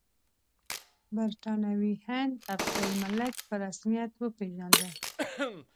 برټانوي هند افضل الملک په رسمیت وپېژانده.